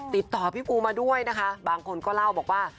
ติดต่อพี่ปูมาด้วยนะคะบางคนก็เล่าบอกว่า